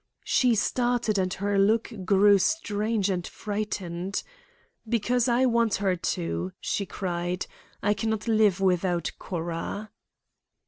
She started and her look grew strange and frightened. 'Because I want her to,' she cried. 'I can not live without Cora."